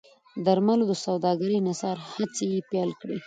درملو د سوداګرۍ انحصار هڅې یې پیل کړې.